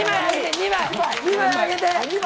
２枚あげて、２枚。